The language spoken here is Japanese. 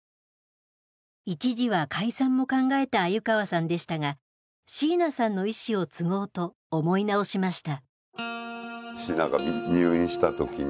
一時は解散も考えた鮎川さんでしたがシーナさんの遺志を継ごうと思い直しました。